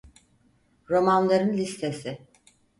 Romanların listesi.